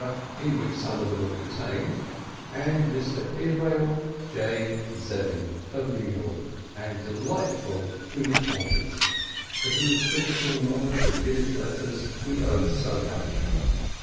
in which some of them were contained, and Mr. Israel J. Zevin, of New York, that able editor and delightful feuilletonist, to whose criti cal knowledge of Yiddish letters we owe so much.